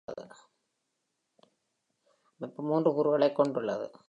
அமைப்பு மூன்று கூறுகளைக் கொண்டுள்ளது.